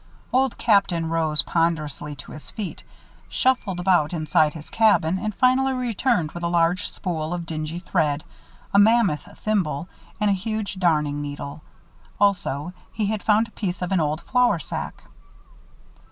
Old Captain rose ponderously to his feet, shuffled about inside his cabin and finally returned with a large spool of dingy thread, a mammoth thimble, and a huge darning needle. Also, he had found a piece of an old flour sack.